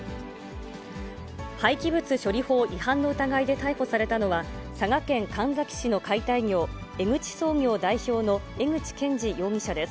廃棄物処理法違反の疑いで逮捕されたのは、佐賀県神埼市の解体業、江口総業代表の江口賢次容疑者です。